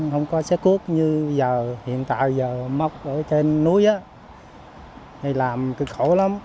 không có xe cuốc như bây giờ hiện tại giờ mọc ở trên núi á thì làm cực khổ lắm